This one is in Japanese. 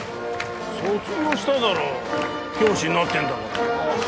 卒業しただろ教師になってんだからああ